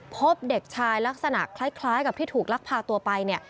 พบเด็กชายลักษณะคล้ายกับที่ถูกลักพาตัวไปเนี่ย